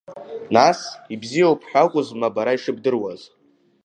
Нас, ибзиоуп ҳәа акәызма бара ишыбдыруаз!